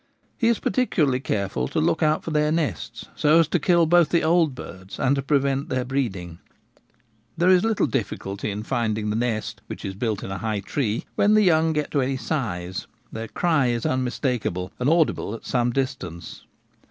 He is particularly careful to look out for their nests, so as to kill both the old birds and to prevent their breeding. There is little difficulty in finding the nest (which is built in a high tree) when the young get to any size ; their cry is unmistakabte and audible at some distance.